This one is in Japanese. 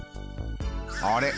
あれ？